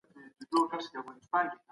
مونږ باید د علم ملاتړ وکړو.